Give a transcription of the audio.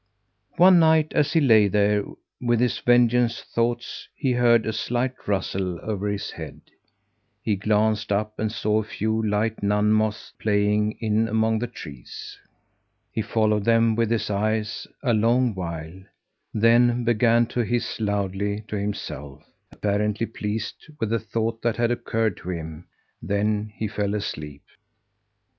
One night, as he lay there with his vengeance thoughts, he heard a slight rustle over his head. He glanced up and saw a few light nun moths playing in among the trees. He followed them with his eyes a long while; then began to hiss loudly to himself, apparently pleased with the thought that had occurred to him then he fell asleep.